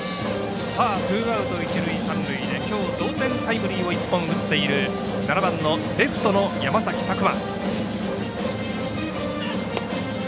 ツーアウト、一塁、三塁できょう同点タイムリーを１本打っているレフトの山崎琢磨。